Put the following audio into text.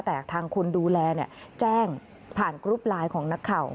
แต่ทางคนดูแลแจ้งผ่านกรุ๊ปไลน์ของนักข่าว